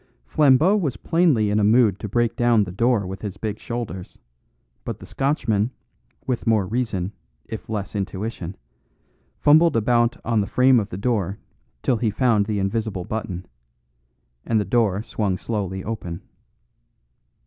Flambeau was plainly in a mood to break down the door with his big shoulders; but the Scotchman, with more reason, if less intuition, fumbled about on the frame of the door till he found the invisible button; and the door swung slowly open.